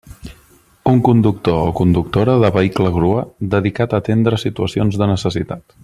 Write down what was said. Un conductor o conductora de vehicle grua, dedicat a atendre situacions de necessitat.